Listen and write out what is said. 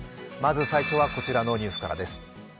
まず最初はこちらのニュースからです。